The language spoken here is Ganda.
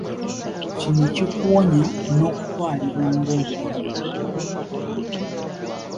Kino kikuwonya n'okutwalibwa ng'omulimba.